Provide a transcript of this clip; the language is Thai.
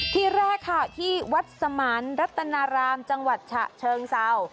ที่แรกค่ะที่วัดสมานรัตนารามจังหวัดฉะเชิงเศร้า